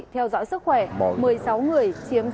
theo dõi sức khỏe một mươi sáu người